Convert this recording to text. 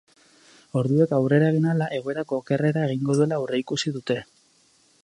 Orduek aurrera egin ahala egoerak okerrera egingo duela aurreikusi dute.